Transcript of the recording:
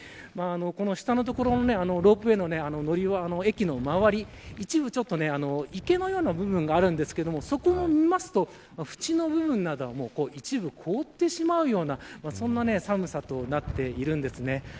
下の所のロープウエーの乗り場駅の周り、一部池のような部分があるんですがそこを見ると縁の部分などは一部凍ってしまうような寒さとなっているんですね。